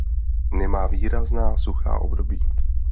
Nemá výrazná suchá období.